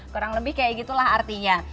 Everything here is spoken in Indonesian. kurang lebih kayak gitulah artinya